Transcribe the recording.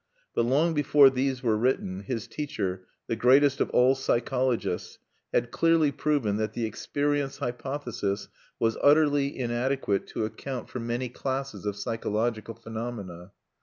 But long before these were written, his teacher, the greatest of all psychologists, had clearly proven that the experience hypothesis was utterly inadequate to account for many classes of psychological phenomena.